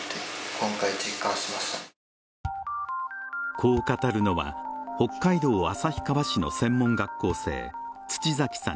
こう語るのは北海道旭川市の専門学校生土崎さん